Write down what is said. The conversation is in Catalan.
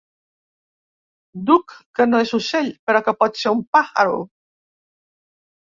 Duc que no és ocell, però pot ser un “pàjaro”.